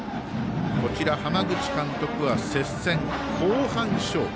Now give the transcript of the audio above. こちら、浜口監督は接戦、後半勝負。